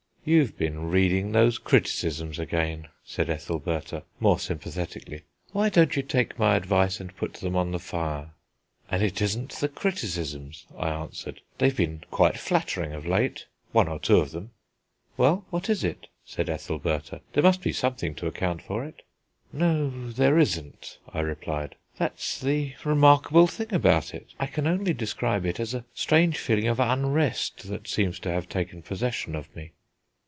"You've been reading those criticisms again," said Ethelbertha, more sympathetically; "why don't you take my advice and put them on the fire?" "And it isn't the criticisms," I answered; "they've been quite flattering of late one or two of them." "Well, what is it?" said Ethelbertha; "there must be something to account for it." "No, there isn't," I replied; "that's the remarkable thing about it; I can only describe it as a strange feeling of unrest that seems to have taken possession of me."